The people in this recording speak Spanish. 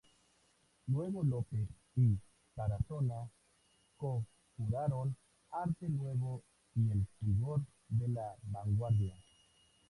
Luego López y Tarazona co-curaron ""Arte Nuevo y el fulgor de la vanguardia.